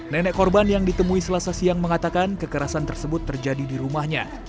nenek korban yang ditemui selasa siang mengatakan kekerasan tersebut terjadi di rumahnya